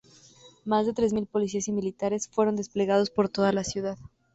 Más de tres mil policías y militares fueron desplegados por toda la ciudad.